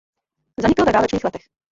Zanikl ve válečných letech.